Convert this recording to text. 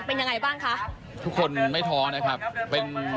เป็นยังไงบ้างคะทุกคนไม่ท้อนะครับเป็น